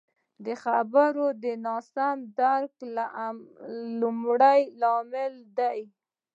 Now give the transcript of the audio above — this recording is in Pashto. د خبرو د ناسم درک لمړی لامل دادی